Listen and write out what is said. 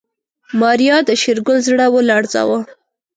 ماريا د شېرګل زړه ولړزاوه.